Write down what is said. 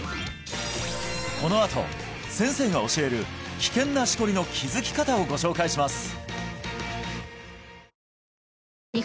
このあと先生が教える危険なシコリの気づき方をご紹介します